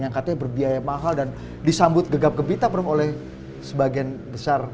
yang katanya berbiaya mahal dan disambut gegap gempita oleh sebagian besar